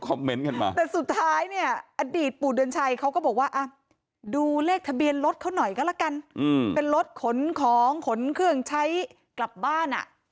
เมนต์กันมาแต่สุดท้ายเนี่ยอดีตปู่เดือนชัยเขาก็บอกว่าอ่ะดูเลขทะเบียนรถเขาหน่อยก็แล้วกันเป็นรถขนของขนเครื่องใช้กลับบ้านอ่ะ